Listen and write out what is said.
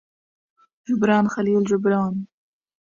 جبران خليل جبران